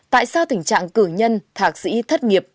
tại sao tình trạng cử nhân thạc sĩ thất nghiệp